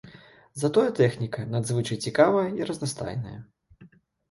Затое тэхніка надзвычай цікавая і разнастайная.